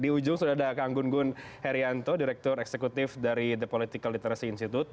di ujung sudah ada kang gun gun herianto direktur eksekutif dari the political literacy institute